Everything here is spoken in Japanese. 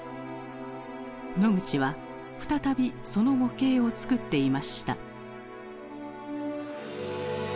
ノグチは再びその模型を作っていました。